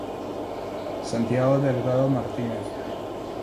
Santiago Delgado Martínez.